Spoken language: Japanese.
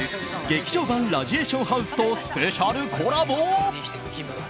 「劇場版ラジエーションハウス」とスペシャルコラボ。